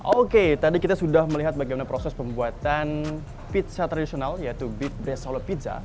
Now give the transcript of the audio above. oke tadi kita sudah melihat bagaimana proses pembuatan pizza tradisional yaitu beef brea solo pizza